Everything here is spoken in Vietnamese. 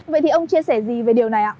vậy thì ông chia sẻ gì về điều này ạ